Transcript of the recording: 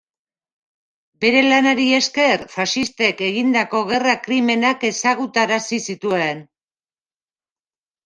Bere lanari esker faxistek egindako gerra krimenak ezagutarazi zituen.